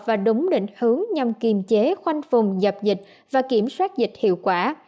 và đúng định hướng nhằm kiềm chế khoanh vùng dập dịch và kiểm soát dịch hiệu quả